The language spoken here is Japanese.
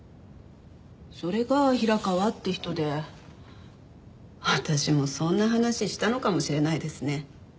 それが平川って人で私もそんな話したのかもしれないですね。